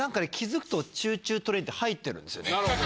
なるほどね。